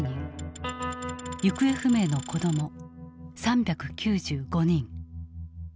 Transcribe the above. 行方不明の子ども３９５人。